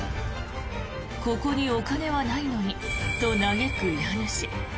ここにお金はないのにと嘆く家主。